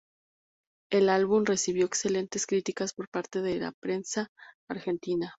El álbum recibió excelentes críticas por parte de la prensa argentina.